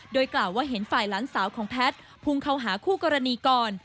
โดยกล่าวว่าเห็นฝ่ายหลานสาวของแพทย์พุ่งเข้าหาคู่กรณีก่อน